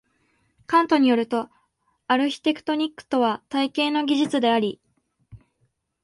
カントに依ると、アルヒテクトニックとは「体系の技術」であり、